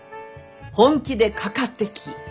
本気でかかってき。